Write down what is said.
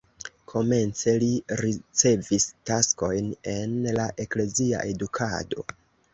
Komence li ricevis taskojn en la eklezia edukado.